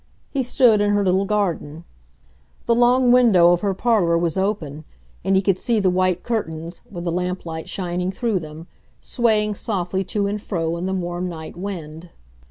He stood in her little garden; the long window of her parlor was open, and he could see the white curtains, with the lamp light shining through them, swaying softly to and fro in the warm night wind.